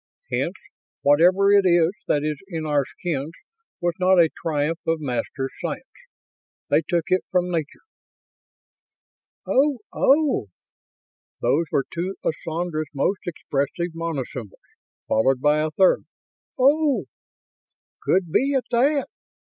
Hence, whatever it is that is in our skins was not a triumph of Masters' science. They took it from Nature." "Oh? Oh!" These were two of Sandra's most expressive monosyllables, followed by a third. "Oh. Could be, at that.